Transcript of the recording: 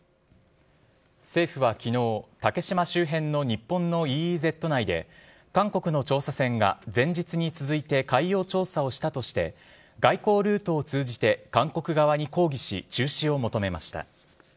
政府はきのう、竹島周辺の日本のＥＥＺ内で、韓国の調査船が前日に続いて海洋調査をしたとして、外交ルートを通じて韓国側に抗議し、中止を求めました。